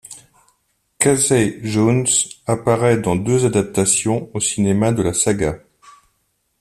Casey Jones apparaît dans deux adaptations au cinéma de la saga.